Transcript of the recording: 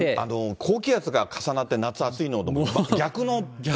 高気圧が重なって夏暑いのと逆の。